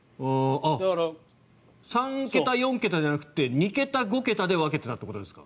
３桁、４桁じゃなくて２桁、５桁で分けてたってことですか？